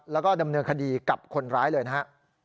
แล้วก็ดำเนินคดีกับคนร้ายเลยนะฮะ